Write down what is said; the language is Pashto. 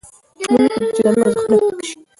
موږ نه پرېږدو چې زموږ ارزښتونه پیکه سي.